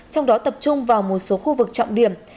trong đó tập trung vào một số khu vực trọng điểm